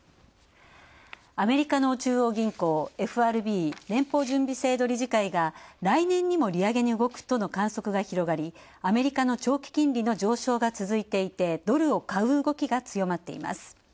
アメリカの中央銀行ＦＲＢ＝連邦準備制度理事会が来年にも利上げに動くとの観測が広がりアメリカの長期金利の上昇が続いていて、ドルを買う動きが強まっています。